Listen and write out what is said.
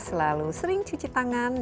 selalu sering cuci tangan